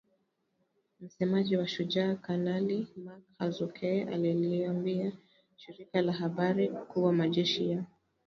Msemaji wa Shujaa, Kanali Mak Hazukay aliliambia shirika la habari kuwa majeshi ya